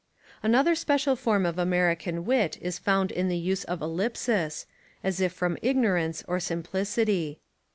Another special form of American wit is found in the use of ellipsis, as if from ignorance or simplicity.